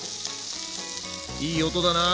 いい音だな。